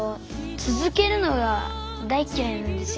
続けるのが大っ嫌いなんですよ。